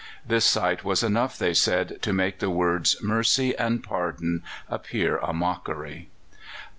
This sight was enough, they said, to make the words "mercy" and "pardon" appear a mockery.